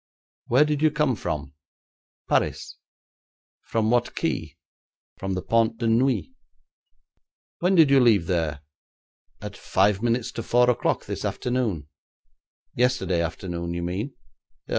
'Where did you come from?' 'Paris.' 'From what quay?' 'From the Pont de Neuilly.' 'When did you leave there?' 'At five minutes to four o'clock this afternoon.' 'Yesterday afternoon, you mean?'